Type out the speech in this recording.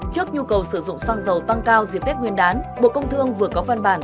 trước nhu cầu sử dụng xăng dầu tăng cao dịp tết nguyên đán bộ công thương vừa có văn bản